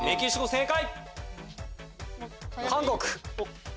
正解！